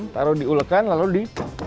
taruh di ulekan lalu di